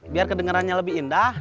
biar kedengerannya lebih indah